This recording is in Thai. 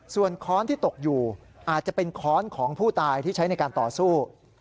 ส่วนค้อนที่ตกอยู่อาจจะเป็นค้อนของผู้ตายที่ใช้ในการต่อสู้